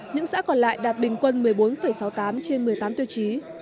những xã còn lại đạt bình quân một mươi bốn sáu mươi tám trên một mươi tám tiêu chí